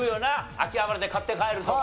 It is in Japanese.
秋葉原で買って帰るとかな。